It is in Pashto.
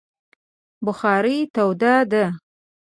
بخارۍ توده ده